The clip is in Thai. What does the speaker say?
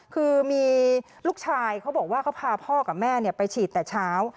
คือมีลูกชายเขาบอกว่าเขาพาพ่อกับแม่ไปฉีดแต่เช้า